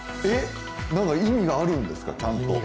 意味があるんですか、ちゃんと？